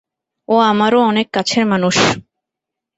ও আমারও অনেক কাছের মানুষ।